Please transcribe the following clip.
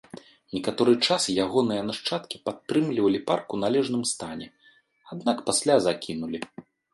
Некаторы час ягоныя нашчадкі падтрымлівалі парк у належным стане, аднак пасля закінулі.